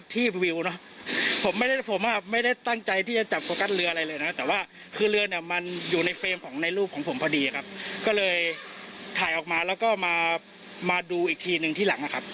ถ่ายออกมาแล้วก็มาดูอีกทีหนึ่งที่หลังอะครับ